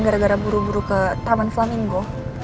gara gara buru buru ke taman flaminggo